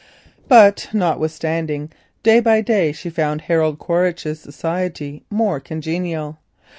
But this notwithstanding, day by day she found Harold Quaritch's society more congenial.